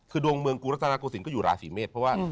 คือดวงเมืองกุฤตนากุศิลป์ก็อยู่ระศีเมษ